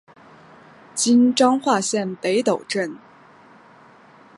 今彰化县北斗镇。